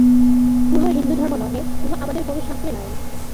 উহা হিন্দুধর্ম নহে, উহা আমাদের কোন শাস্ত্রে নাই।